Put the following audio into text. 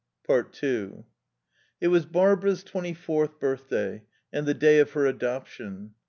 2 It was Barbara's twenty fourth birthday, and the day of her adoption.